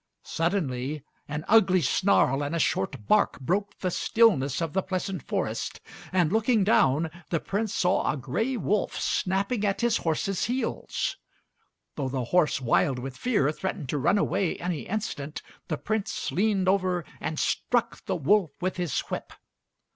Suddenly an ugly snarl and a short bark broke the stillness of the pleasant forest, and looking down, the Prince saw a gray wolf snapping at his horse's heels. Though the horse, wild with fear, threatened to run away any instant, the Prince leaned over and struck the wolf with his whip.